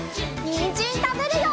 にんじんたべるよ！